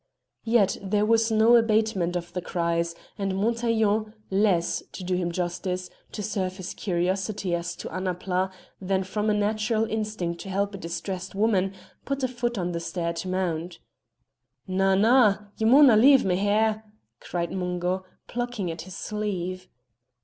Yet there was no abatement of the cries, and Montaiglon, less to do him justice to serve his curiosity as to Annapla than from a natural instinct to help a distressed woman, put a foot on the stair to mount. "Na, na! ye mauna leave me here!" cried Mungo, plucking at his sleeve.